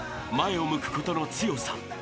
［前を向くことの強さ］